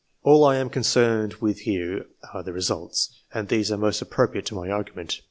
All I am concerned with here are the results ; and these are most appropriate to my argument.